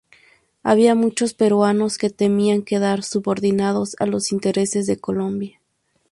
Había muchos peruanos que temían quedar subordinados a los intereses de Colombia.